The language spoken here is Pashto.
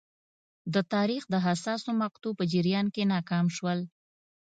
د تاریخ د حساسو مقطعو په جریان کې ناکام شول.